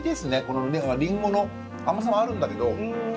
この林檎の甘さもあるんだけど。